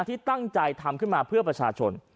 ที่ตั้งใจทำขึ้นมาเพื่อประชาชน